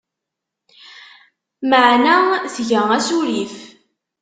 Meεna tga asurif.